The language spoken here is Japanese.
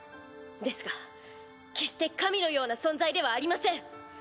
ですが決して神のような存在ではありません。